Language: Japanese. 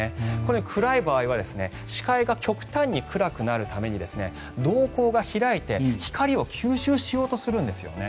暗い場合は視界が極端に暗くなるために瞳孔が開いて、光を吸収しようとするんですよね。